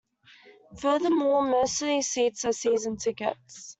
Furthermore, most of those seats are season tickets.